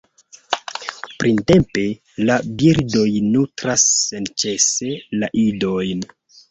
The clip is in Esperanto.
Printempe, la birdoj nutras senĉese la idojn.